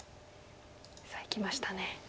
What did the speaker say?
さあいきましたね。